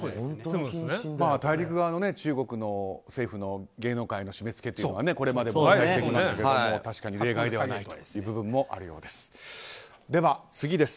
大陸側の中国の政府の芸能界の締め付けはこれまでもお伝えしてきましたが確かに例外ではない部分もあるようです。